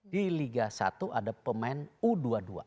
di liga satu ada pemain u dua puluh dua